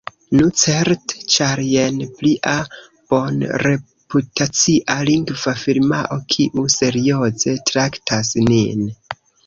Nu, certe, ĉar jen plia bonreputacia lingva firmao kiu serioze traktas nin.